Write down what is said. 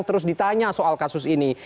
terus ditanya soal kasus ini